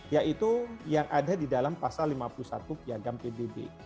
yaitu yang ada di dalam pasal lima puluh satu piagam pbb